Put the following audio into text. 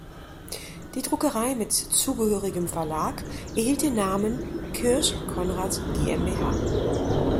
Die Druckerei mit zugehörigem Verlag erhielt den Namen Kirch Konrad GmbH.